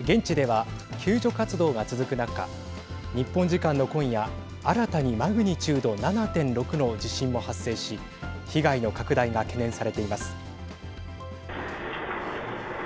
現地では救助活動が続く中日本時間の今夜新たにマグニチュード７．６の地震も発生し被害の拡大が懸念されています。